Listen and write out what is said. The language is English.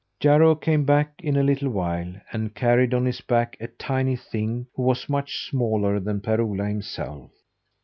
Jarro came back in a little while, and carried on his back a tiny thing, who was much smaller than Per Ola himself.